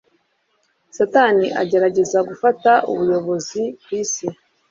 Satani agerageza gufata ubuyobozi bw'isi.